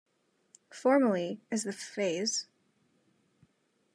Formally, is the phase.